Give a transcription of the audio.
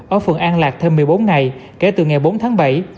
ở phường an lạc thêm một mươi bốn ngày kể từ ngày bốn tháng bảy